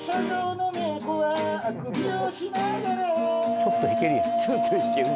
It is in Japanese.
ちょっと弾けるやん。